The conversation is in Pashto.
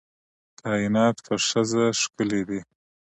کائنات په ښځه ښکلي دي